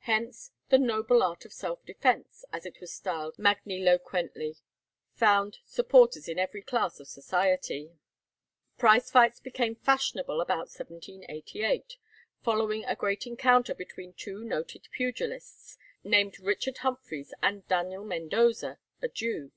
Hence the "noble art of self defence," as it was styled magniloquently, found supporters in every class of society. Prize fights first became fashionable about 1788, following a great encounter between two noted pugilists, named Richard Humphreys and Daniel Mendoza, a Jew.